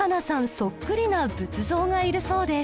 そっくりな仏像がいるそうです